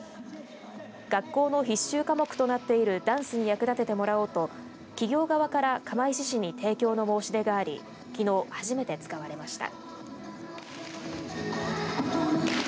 学校の必修科目となっているダンスに役立ててもらおうと企業側から釜石市に提供の申し出がありきのう初めて使われました。